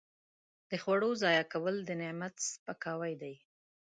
د خوړو ضایع کول د نعمت سپکاوی دی.